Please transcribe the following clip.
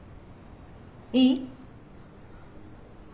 いい？